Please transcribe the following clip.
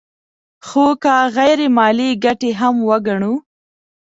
خو که غیر مالي ګټې هم وګڼو